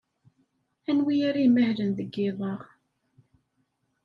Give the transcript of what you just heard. Anwi ara imahlen deg yiḍ-a?